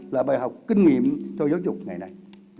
là bài học kinh nghiệm cho giáo dục ngày nay